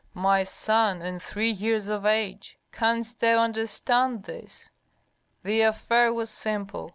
My son, and three years of age. Canst thou understand this? The affair was simple.